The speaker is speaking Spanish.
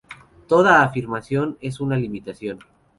Toda afirmación es una limitación.